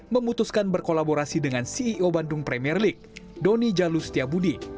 memutuskan berkolaborasi dengan ceo bandung premier league doni jalustiabudi